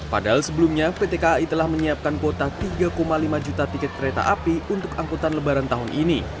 padahal sebelumnya pt kai telah menyiapkan kuota tiga lima juta tiket kereta api untuk angkutan lebaran tahun ini